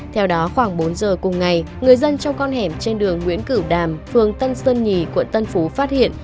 theo đó khoảng bốn giờ cùng ngày người dân trong con hẻm trên đường nguyễn cửu đàm phường tân sơn nhì quận tân phú phát hiện